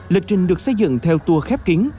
lịch trình được xây dựng theo tuổi khép kín